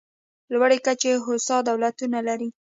لوړې کچې هوسا دولتونه لري.